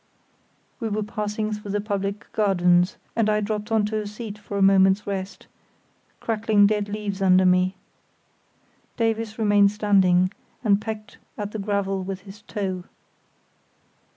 We were passing through the public gardens, and I dropped on to a seat for a moment's rest, crackling dead leaves under me. Davies remained standing, and pecked at the gravel with his toe.